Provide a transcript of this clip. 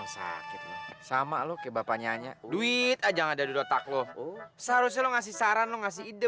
sakit sama loh kayak bapaknya nya duit aja nggak ada di otak lo seharusnya ngasih saran ngasih ide